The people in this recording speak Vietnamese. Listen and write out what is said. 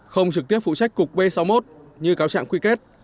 không trực tiếp phụ trách cục b sáu mươi một như cáo trạng quy kết